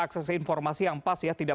akses informasi yang pasti tidak